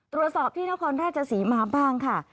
ตรวจสอบที่นครราชศรีมาบ้างค่ะ